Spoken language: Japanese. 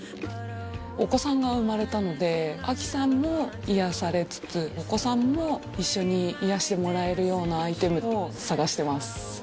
お子さんが生まれたのであきさんも癒やされつつお子さんも一緒に癒やしてもらえるようなアイテムを探してます。